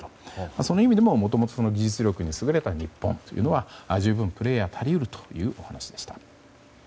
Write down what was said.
その意味でももともと技術力に優れた日本は十分、プレーヤーたり得るというお話でした。